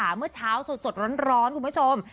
เมื่อเช้าสดร้อนคุณผู้ชม